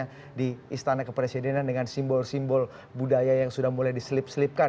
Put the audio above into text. yang di istana kepresidenan dengan simbol simbol budaya yang sudah mulai diselip selipkan